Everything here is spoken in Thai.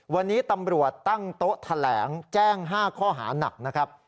วันนี้ตำรวจตั้งโต๊ะแถลงแจ้ง๕ข้อหานักนะครับ